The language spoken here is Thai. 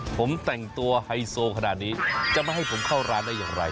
ผมแต่งตัวไฮโซขนาดนี้จะไม่ให้ผมเข้าร้านได้อย่างไร